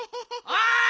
おい！